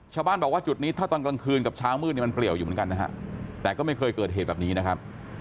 ชาวบ้านบอกว่าจุดนี้ถ้าตอนกลางคืนกับเช้ามืดเนี่ยมันเปลี่ยวอยู่เหมือนกันนะฮะแต่ก็ไม่เคยเกิดเหตุแบบนี้นะครับ